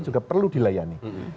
juga perlu dilayani